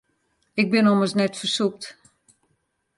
Ik bin ommers net fersûpt.